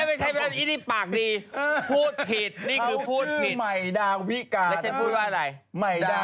ไม่ใช่เป็นอะไรอี้นี่ปากดีพูดผิดนี่คือพูดผิด